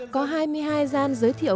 có hai mươi hai gian giới thiệu